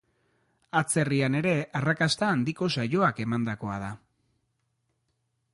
Atzerrian ere arrakasta handiko saioak emandakoa da.